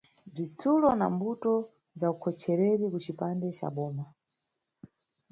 Bzitsulo na Mbuto za ukhochereri kucipande ca boma.